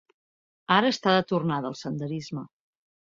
Ara està de tornada el senderisme.